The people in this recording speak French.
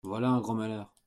Voilà un grand malheur !